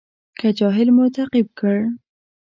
که جاهل مو تعقیب کړ.